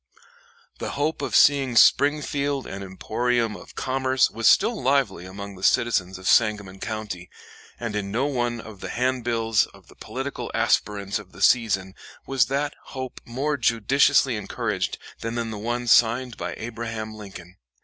The hope of seeing Springfield an emporium of commerce was still lively among the citizens of Sangamon County, and in no one of the handbills of the political aspirants of the season was that hope more judiciously encouraged than in the one signed by Abraham Lincoln.